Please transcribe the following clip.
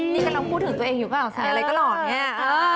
นี่กำลังพูดถึงตัวเองอยู่เปล่าใส่อะไรก็หล่อเนี่ย